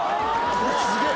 すげえ。